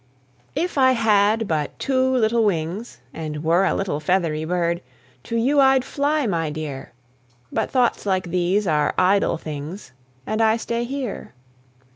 If I had but two little wings And were a little feathery bird, To you I'd fly, my dear! But thoughts like these are idle things And I stay here.